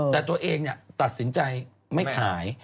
แต่ตัวเองตัดสินใจไม่ขาย